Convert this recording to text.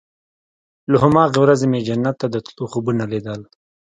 له هماغې ورځې مې جنت ته د تلو خوبونه ليدل.